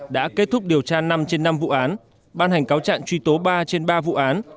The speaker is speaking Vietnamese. đã kết thúc điều tra năm trên năm vụ án ban hành cáo trạng truy tố ba trên ba vụ án